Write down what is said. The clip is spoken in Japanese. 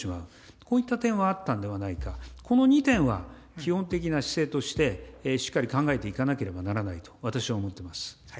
こういった点はあったんではないか、この２点は、基本的な姿勢として、しっかり考えていかなければならないと私は思っています。